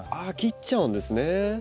あ切っちゃうんですね。